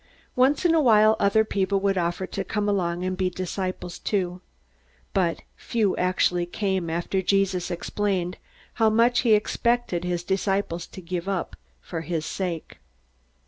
Once in a while other people would offer to come along and be disciples too. But few actually came, after Jesus explained how much he expected his disciples to give up for his sake.